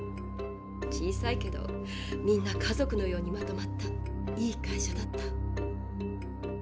小さいけどみんな家族のようにまとまったいい会社だった。